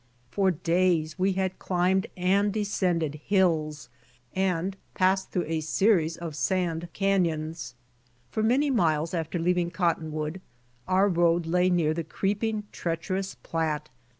For days we had climbed and descended hills and passed through a series of sand canyons. For many miles after leaving Cottonwood our road lay near the creeping, treacherous Platte.